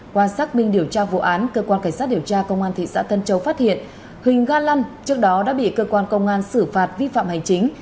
qua xác minh điều tra vụ án cơ quan cảnh sát điều tra công an thị xã tân châu phát hiện huỳnh ga lăn trước đó đã bị cơ quan công an xử phạt vi phạm hành chính